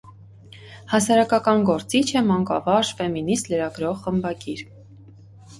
Հասարակական գործիչ է, մանկավարժ, ֆեմինիստ, լրագրող, խմբագիր։